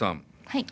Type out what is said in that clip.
はい。